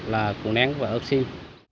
là củ nén và ớt xiên